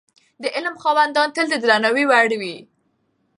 د علم خاوندان تل د درناوي وړ وي.